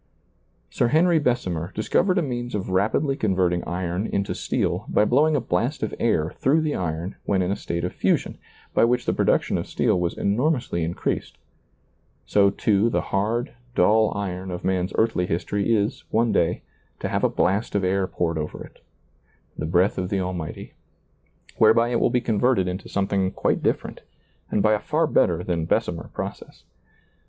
Sir Henry Bessemer discovered a means of rapidly converting iron into steel by blowing a blast of air through the iron when in a state of fusion, by which the production of steel was enormously increased ; so, too, the hard, dull iron of man's earthly history is, one day, to have a blast of air poured over it — the breath of the Almighty — whereby it will be converted into something quite different, and by a far better than Bessemer process.